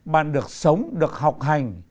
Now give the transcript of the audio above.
bạn được sống được học hành